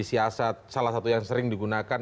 siasat salah satu yang sering digunakan